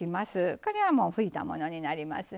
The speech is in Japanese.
これはもう拭いたものになりますね。